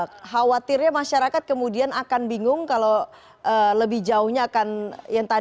khawatirnya masyarakat kemudian akan bingung kalau lebih jauhnya akan yang tadi prof katakan akan terjadi gesekan